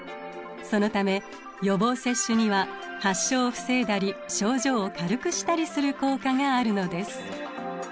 そのため予防接種には発症を防いだり症状を軽くしたりする効果があるのです。